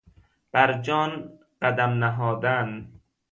بر جان قدم نهادن